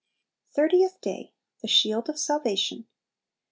Thirtieth Day. The Shield of Salvation.